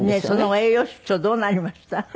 その後栄養失調どうなりました？